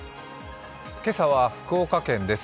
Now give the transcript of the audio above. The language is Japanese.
今朝は福岡県です